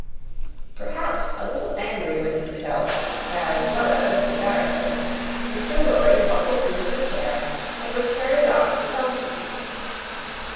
Perhaps a little angry with himself, as well as with the barrister, Mr. Lorry bustled into the chair, and was carried off to Tellson's.